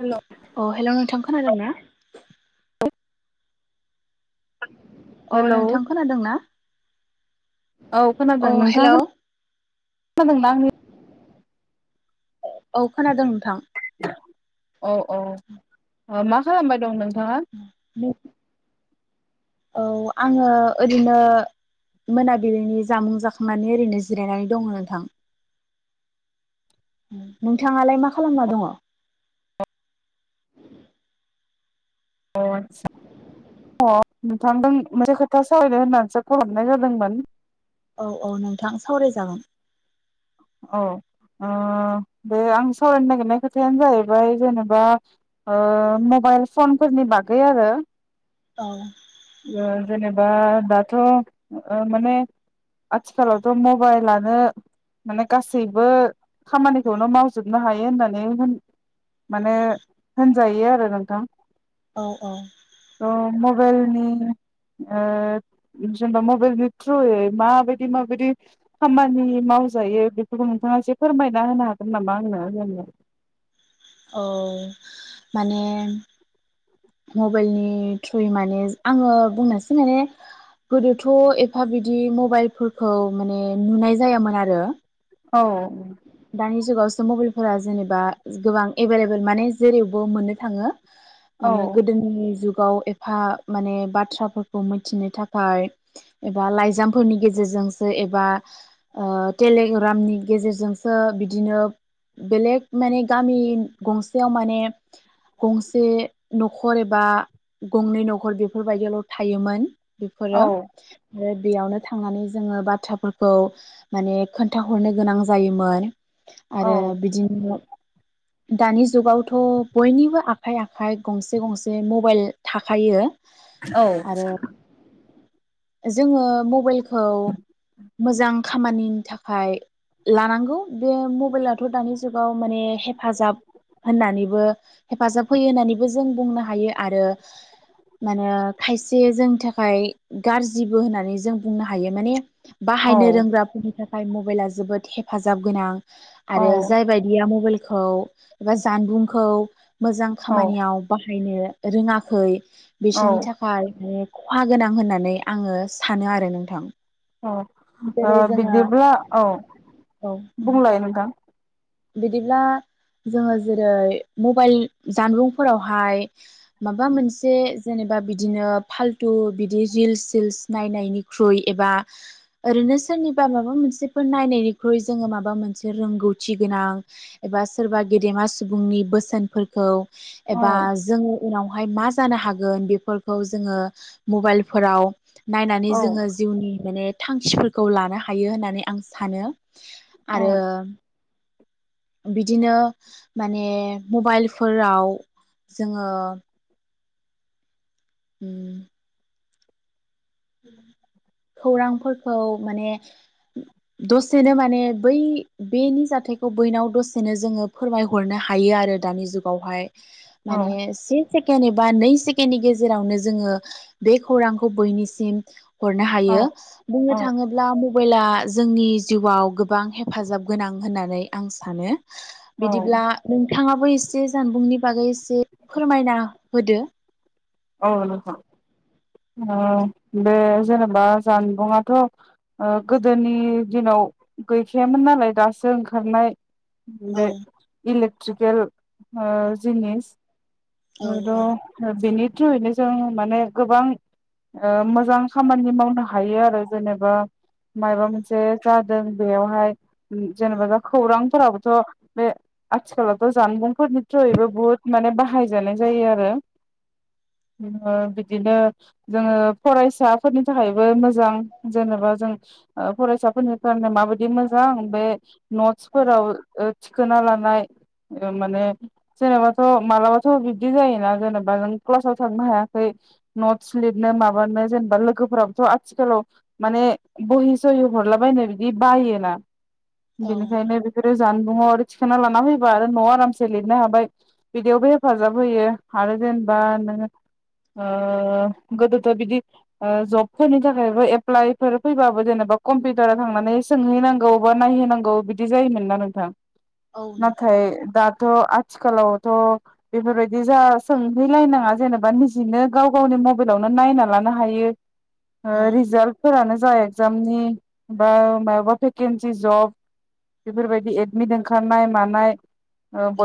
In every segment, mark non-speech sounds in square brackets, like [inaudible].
Hello अ hello नोंथां खोनादोंना? अ हेलौ नोंथां खोनादोंना? औ खोनादों हेल' नोंथाङा औ खोनादोंना आंनि औ खोनादों नोंथां। [inaudible] औ औ अ मा खालामबाय दं नों थाङा औ आङो ओरैनो मोनाबिलिनि जामुं जाखांनानै ओरैनो जिरायनानै दङ नोंथां। नोंथाङालाय मा खालामना दङ। अ आस्सा अ नोंथांजों मोनसे खोथा सावरायनो होननानैसो फन हरनाय जादोंमोन। औ औ नोंथां सावरायजागोन। औ ओ बे आं सावरायनो नागिरनाय खोथायानो जाहैबाय जेनेबा मबाइल फनफोरनि बागै आरो औ ओ जेनेबा दाथ' माने आथिखालावथ' मबाइलानो माने गासैबो खामानिखौनो मावजोबनो हायो होननानै माने होनजायो आरो नोंथां। औ औ मबाइल नि ओ जेनेबा मबाइलनि थ्रुयै माबायदि माबायदि खामानि मावजायो बेफोरखौ नोंथाङा एसे फोरमायना होनो हागोन नामा? आंनो जेनेबा औ माने मबाइलनि थ्रुयै माने आङो बुंनोसै माने गोदोथ' एफा बिदि मबाइलफोरखौ माने नुनाय जायामोन आरो। औ दानि जुगावसो मबाइलफोरा जेनेबा गोबां एभेलेबेल माने जेरैावबो मोननो थाङो। औ माने गोदोनि जु गाव एफा माने बाथ्राफोरखौ मिथिनो थाखाय एबा लाइजामफोरनि गेजेरजोंसो एबा ओ टेलेग्रामनि गेजेरजों जोंसो बिदिनो बेलेक माने गामि गंसेयाव माने गंसे न'खर एबा गंनै न'खर बेफोरबायदियावल' थायोमोन। बेफोरो औ आरो बेयावनो थांनानै जोङो बाथ्राफोरखौ माने खोन्थाहरनो गोनां जा जायोमोन। औ आरो बिदिनो दानि जुगावथ' बयनिबो आखाइ आखाइ गंसे गंसे मबाइल थाखायो। औ आरो जोङो मबाइलखौ मोजां खामानिनि थाखाय लानांगौ बे मबाइलाथ' दानि जुगाव माने हेफाजाब होननानैबो हेफाजाब होयो होननानैबो जों बुंनो हायो आरो माने खायसे जोंनि थाखाय गाज्रिबो होननानै जों बुंनो हायो माने बाहायनो रोंग्राफोरनि थाखाय ओमफ्राय मबाइला जोबोद हेफाजाब गोनां औ आरो जाय बायदिया मबाइल खौ एबा जानबुंखौ मोजां औ खामानियाव बाहायनो रोङाखै बिसनि थाखाय माने खहा गोनां होननानै आङो सानो आरो नोंथां जेरै औ जोङो बिदिब्ला औ औ बुंलाय नोंथां बिदिब्ला जोङो जेरै मबाइल जानबुंफोरावहाय माबा मोनसे जेनेबा बिदिनो फाल्थु बिदि रिल्स सिल्स नायनायनिख्रुइ एबा ओरैनो सोरनिबा माबा मोनसेफोर नायनायनिख्रुइ जोङो माबा मोनसे रोंगौथि गोनां एबा सोरबा गेदेमा सुबुंनि बोसोनफोरखौ औ एबा जोङो उनाव बेहाय मा जानो हागोन बेफोरखौ जोङो मबाइलफोराव नायनानै औ जोङो जिउनि माने थांखिफोरखौ लानो हायो होननानै आं सानो औ आरो बिदिनो माने मबाइलफोराव जोङो उम खौरांफोरखौ माने दसेनो माने बै बेनि जाथायखौ बैनाव दसेनो जोङो फोरमायहरनो हायो आरो दानि जुगावहाय औ माने एबा नै सेकेणडनि गेजेरावनो जोङो बे खौरांखौ बैनि सिम हरनो हायो औ बुंनो औ थाङोब्ला मबाइला जोंनि जिउआव गोबां हेफाजाब गोनां होननानै आं सानो औ बिदिब्ला नों थाङाबो एसे जानबुंनि बागै एसे फोरमायना होदो औ औ बे जेनेबा जानबुंथ' ओ गोदोनि दिनाव गैखायामोन नालाय दासो ओंखारनाय औ बे इल लेक्ट्रिकेल ओ जिनिस औ [unintelligible] थ्रयैनो जों माने गोबां ओ मोजां खामानि मावनो हायो आरो जेनेबा माबा मोनसे जादों बेयावहाय जेनेबाा खौरांफोराबोथ' बे आथिखालावथ' जानबुं फोरनि थ्रुयबो बहुत माने बाहाय जानाय जायो आरो। ओ बिदिनो जोङो फरायसाफोरनि थाखायबो मोजां ओ जेनेबा जों फरायसाफोरनि थाखाय माबायदि मोजां मोजां बे औ नटसफोराव थिखोना लानाय ओ माने जेनबा थ' मालाबाथ' बिदि जायोना जेनेबा जों क्लासाव थांनो हायाखै नट्स लिरनो माबानो जेनेबा लोगोफोराबोथ' आथिखालाव माने बहि सहि हरलाबायनो बिदि बायोना औ बेनिखायनो बेफोरो जानबुंआव आरो थिखांना लाना फैबा आरो न'आव आरामसे लिरनो हाबाय बिदियावबो हेफाजाब होयो आरो जे बा नोङो ओ गोदोथ' बिदि जबफोरनि थाखायबो एप्लाइफोर फैबाबो जेनेबा कम्पिउटाराव थांनानै सोंहैनांगौ बा नायहैनांगौ बिदि जायोमोन ना नोंथां। औ नोंथां नाथाय दा थ आथिखालावथ' बेफोरबायदि जा सों हैलायनाङा जेनेबा निजिनो गाव गावनि मबाइलावनो नायना लानो हायो। औ ओ रिजाल्टफोरानो जा एग्जामनि बा मायाबा भेकेन्सि जब बेफोरबायदि एडमिट ओंखारनाय मानाय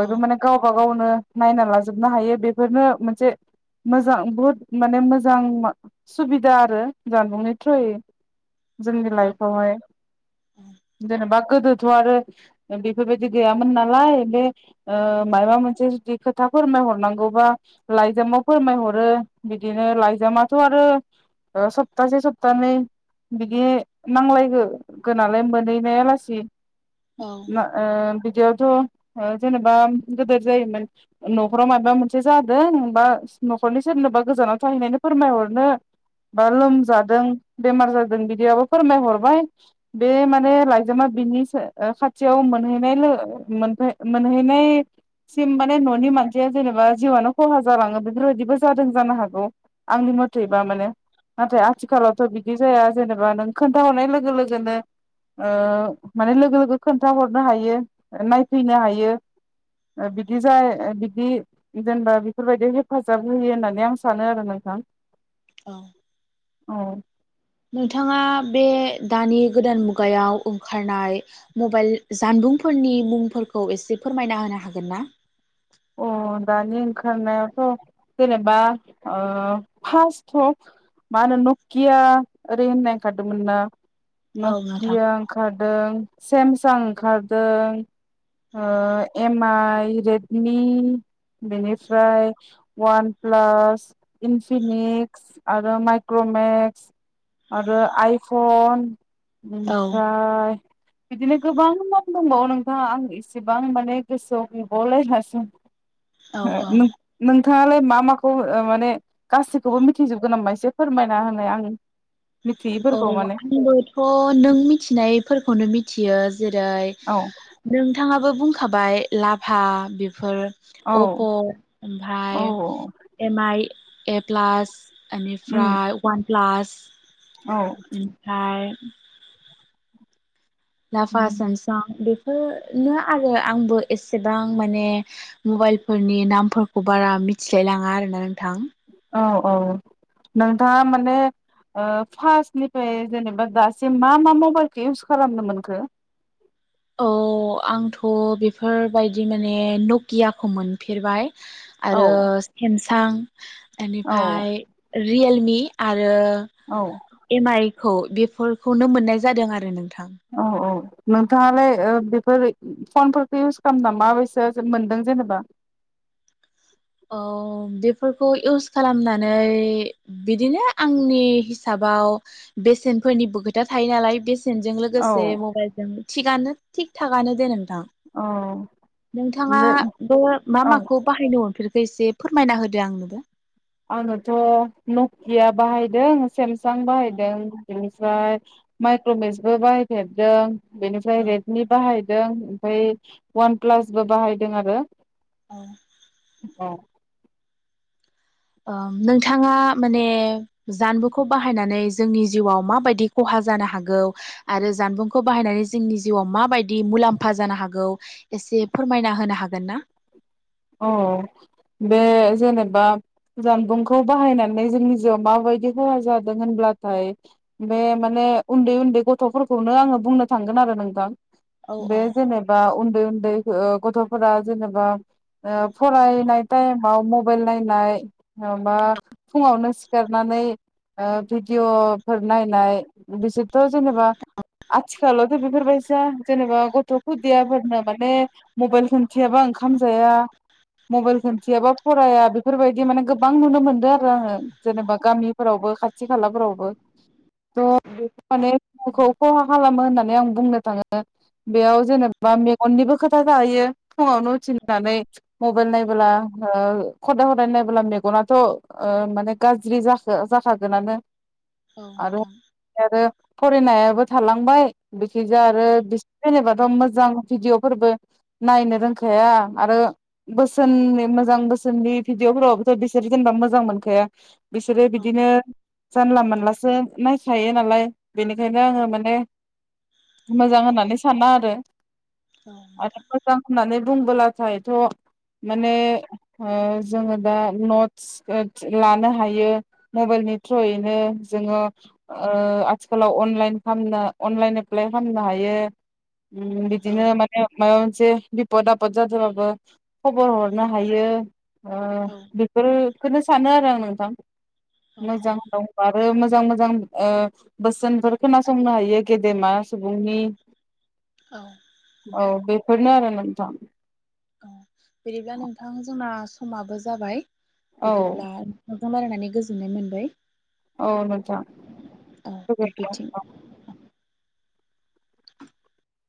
औ माने गावबा गावनो नायना लाजोबनो हायो बे बेफोरनो मोनसे मोजां बहुत माने मोजां सुबिदा आरो जानबुंनि थ्रुयै जोंनि लाइफावहाय औ जेनेबा गोदो थ' आरो बेफोरबायदि गैयामोन नालाय बे औ माबा मोनसे जुदि ओ खोथा फोरमायहरनांगौ। मा लाइजामाव फोरमायहरो बिदिनो लाइजामाथ' आरो सप्तासे सप्तानै बिदि नांलाय गोनालाय मोनहैनाया लासि औ आ बिदियाव जेनेबा गेदेर जायोमोन न'फ्राव माबा मोन। मोनसे जादों बा न'खरनि सोरनोबा गोजानाव थाहैनायनि फोरमायहरनो बा लोमजादों बेमार जादों बिदियाबो फोरमायहरबाय बे माने लाइजामा बिनि खाथियाव मोनहनाय मोनहैनायसिम माने न'नि मानसिया जेनेबा जिउआनो खहा जालाङो बेफोरबायदिबो जादों जानो हागौ आंनि मथेबा माने नाथाय आथिखालावथ' बिदि जाया जेनेबा नों खोन्थाहरनाय लोगो लोगोनो माने लोगो लोगो खोन्थाहरनो हायो नायफैनो हायो बिदि जाया बिदि जेनेबा बेफोरबायदि हेफाजाब होयो होननानै आं सानो आरो नोंथां। औ औ नोंथाङा बे दानि गोदान मुगायाव ओंखारनाय मबाइल जानबुंफोरनि मुंफोरखौ एसे फोरमायना होनो हागोन ना? अ दानि ओंखारनायावथ' जेनेबा फार्स्टथ' मा होनो नकिया ओरै होननाय ओंखारदोंमोन ना। औ नोंथां नकिया ओंखारदों। सेमसां ओंखारदों एम आइ रेडमि बेनिफ्राय वान प्लास इनफिनिक्स आरो माइक्रमेक्स आरो आइफन। औ ओमफ्राय बिदिनो गोबां नाम दंबावो नोंथाङा आं इसेबां माने गोसोआव गैबावलायला [inaudible] औ नों औ नों नोंथाङालाय मा माखौ माने गासिखौबो मिथिजोबगोन नामा एसे फोरमायना होनाय आंनो औ आंबोथ' नों मिथिनायफोरखौनो मिथियो जेरै औ नोंथाङाबो बुंखाबाय लाभा बेफोर औ अप' औ ओमफ्राय एम आइ ए प्लास उम बेनिफ्राय वान फ्लास औ [inaudible] ओमफ्राय [inaudible] लाभा सेमसां बेफोर बेफोरनो आरो आंबो एसेबां माने मबाइलफोरनि नामफोरखौ बारा मिथिलायलाङा आरोना नोंथां औ औ नोंथाङा माने ओ फार्स्टनिफ्राय जेनेबा दासिम मा मा मबाइलखौ इउस खालामनो मोनखो औ आंथ' बेफोरबायदि माने नकियाखौ मोनफेरबाय औ आरो सेमसां औ बेनिफ्राय रिेल मि आरो आरो औ एम आइ औ बेफोरखौनो मोननाय जादों आरो नों औ औ नोंथाङालाय बेफोर फनफोरखौ इउस खालामना माबस मोनदों जेनेबा औ बेफोरखौ इउस खालामनानै बिदिनो आंनि हिसाबाव बेसेनफोरनिबो खोथा थायो नालाय बेसे बेसेनजों औ लोगोसे मबाइलजों थिगानो थिग थाखानो दोन औ नोंथाङा ओमफ्राय बे मा औ माखौ बाहायनो मोनफेरखो एसे फोरमायना होदो आंनोबो आङोथ' नकिया बाहायदों सेमस सां बाहाय द ओमफ्राय माइक्रभेसबो बाहायफेरदों बेनिफ्राय रेडनि बाहाय ओमफ्राय वान प्लासबो बाहायदों आरो औ औ ओ नोंथाङा माने जानबुंखौ बाहायनानै जोंनि जिउआव माबायदि खहा जानो हागौ आरो जानबुंखौ बाहायनानै जोंनि जिउआव माबायदि मुलाम्फा जानो हागौ एसे फोरमायना होनो हागोन ना? औ बे जेनेबा जानबुंखौ बाहायनानै जोंनि जिउआव माबायदि खहा जादों होनब्लाथाय बे माने उन्दै उन्दै गथ'फोरखौनो आङो बुंनो थांगोन आरो नोंथां औ बे जेनेबा उन्दै उन्दै ओ गथ'फोरा जेनेबा ओ फरायनाय टाइमाव मबाइल नायनाय माबा फुङावनो सि खारनानै ओ भिडिअ फोर नायनाय बिसोर थ' जेनेबा आथिखालावथ' बेफोरबायसा जेनेबा गथ' खुदियाफोरनो माने मबाइल खोनन्थियाबा ओंखाम जाया मबाइल खोनथियाबा फराया बेफोरबायदि माने गोबां नुनो मोनदों आरो आङो जेनेबा गामिफोरावबो खाथि खालाफोरावबो थ' बे माने [unintelligible] औ खहा खालामो होननानै आं बुंनो थाङो बेयाव जेनेबा मेगननिबो खोथा जायो फुङावनो उथिनानै मबाइल नायबोला ओ खदाय खदाय नायबोला मेगनाथ' ओ माने गाज्रि जाखो जाखागोनानो औ आरो नोंथां [unintelligible] फरायनायाबो थालांबाय बिखिजा आरो औ बि जेनेबाथ' मोज मोजां भिडिअफोरबो नायनो रोंखाया आरो बोसोननि मोजां बोसोननि भिडिअफोरावथ' बिसोर जेनेबा मोजां मोनखाया बिसोरो औ औ बिदिनो जानला मोनलासो नायखायो नालाय बेनिखायनो आङो माने मोजां होननानै साना आरो नोंथां आरो मोजां होननानै बुंबोलाथाय थ' माने ओ जोङो दा नट्स ओ लानो हायो मबाइलनि थ्रुयैनो जोङो ओ आथिखालाव अनलाइन खालामनो अनलाइन एप्लाइ खामनो हायो ओम औ बिदिनो माने माबा मोन मोनसे बिपद आफाद जादों बाबो खबर हरनो हायो ओ बेफोर बेफोरनो सानो आरो नोंथां औ मोजां दं आरो मोजां मोजां मोजां ओ बोसोनफोर खोनासंनो हायो गेदेमा सुबुंनि औ औ बेफोरनो आरो नोंथां औ बिदिब्ला नोंथां जोंना समाबो जाबाय औ बिदिब्ला नोंथांजों रायलायनानै गोजोननाय मोनबाय औ मोजां औ दे बिथिं